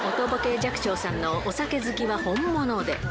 寂聴さんのお酒好きは本物で。